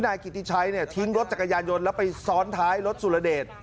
นายกิติชัยเนี่ยทิ้งรถจักรยานยนต์แล้วไปซ้อนท้ายรถสุรเดช